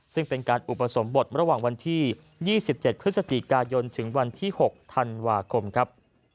ซึ่งเป็นการอุปสมบทระหว่างวันที่๒๗พฤศจิกายนถึงวันที่๖ธันวาคมครับ